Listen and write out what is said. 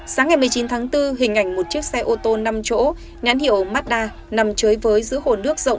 sáng ngày một mươi chín tháng bốn hình ảnh một chiếc xe ô tô năm chỗ nhãn hiệu madda nằm chơi với giữa hồ nước rộng